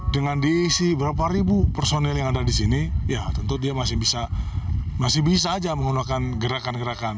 dengan diisi berapa ribu personil yang ada di sini ya tentu dia masih bisa masih bisa aja menggunakan gerakan gerakan